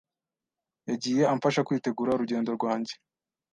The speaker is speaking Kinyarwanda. yagiye amfasha kwitegura urugendo rwanjye.